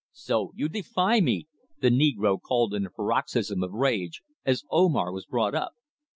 "So you defy me!" the negro cried in a paroxysm of rage, as Omar was brought up.